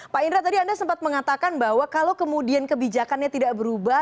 pak indra tadi anda sempat mengatakan bahwa kalau kemudian kebijakannya tidak berubah